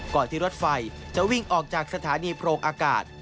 ที่รถไฟจะวิ่งออกจากสถานีโพรงอากาศ